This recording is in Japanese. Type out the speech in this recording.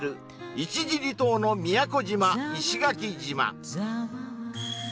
１次離島の宮古島石垣島